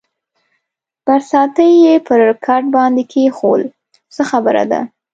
برساتۍ یې پر کټ باندې کېښوول، څه خبره ده؟